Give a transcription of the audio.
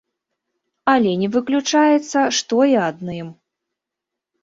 Але не выключаецца, што і адным.